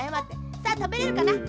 さあたべれるかな？